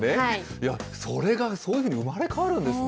いや、それがそういうふうに生まれ変わるんですね。